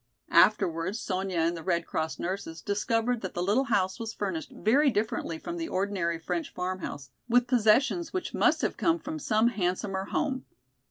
Afterwards Sonya and the Red Cross nurses discovered that the little house was furnished very differently from the ordinary French farmhouse, with possessions which must have come from some handsomer home.